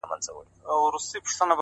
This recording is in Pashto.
سردونو ویښ نه کړای سو ـ